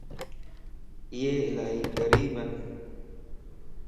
اي الائي غريبن